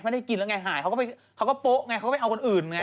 ไม่ได้กินแล้วไงหายเขาก็ไปเขาก็โป๊ะไงเขาก็ไปเอาคนอื่นไง